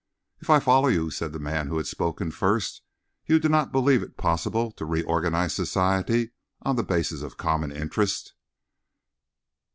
"If I follow you," said the man who had spoken first, "you do not believe it possible to reorganize society on the basis of common interest?"